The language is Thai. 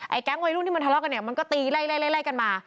แก๊งวัยรุ่นที่มันทะเลาะกันเนี่ยมันก็ตีไล่ไล่กันมา